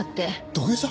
土下座？